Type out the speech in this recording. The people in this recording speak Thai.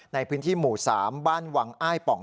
ในพื้นที่หมู่๓บ้านวังอ้ายป่อง